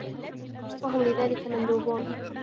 وَهُمْ لِذَلِكَ مَنْدُوبُونَ